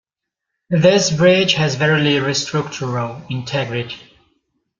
This bridge has very little structural integrity.